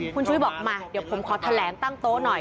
คุณชุวิตบอกมาเดี๋ยวผมขอแถลงตั้งโต๊ะหน่อย